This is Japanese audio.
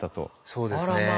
そうですね。